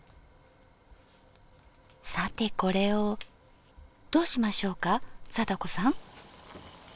さてこれをどうしましょうか貞子さん。